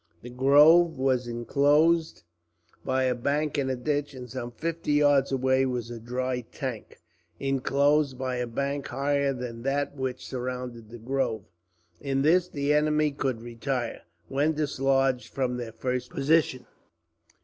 The grove was inclosed by a bank and ditch, and some fifty yards away was a dry tank, inclosed by a bank higher than that which surrounded the grove. In this the enemy could retire, when dislodged from their first position.